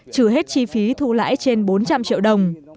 trừ hết chi phí thu lãi trên bốn trăm linh triệu đồng